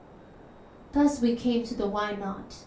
Thus we came to the Why Not?